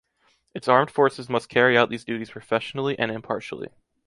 Its armed forces must carry out these duties professionally and impartially.